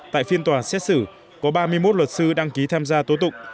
tại phiên tòa xét xử có ba mươi một luật sư đăng ký tham gia tố tụng